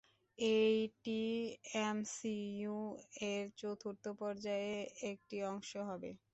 এটি এমসিইউ এর চতুর্থ পর্যায়ের একটি অংশ হবে।